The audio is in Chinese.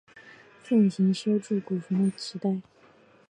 盛行修筑古坟的时代。